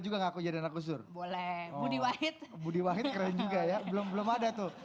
juga ngaku jadi anak gus dur boleh budi wahid budi wahid keren juga ya belum belum ada tuh